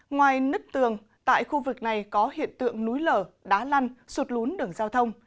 ngoài nứt tường tại khu vực này có hiện tượng núi lở đá lăn sụt lún đường giao thông